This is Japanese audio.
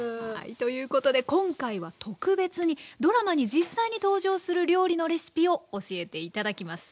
ということで今回は特別にドラマに実際に登場する料理のレシピを教えて頂きます。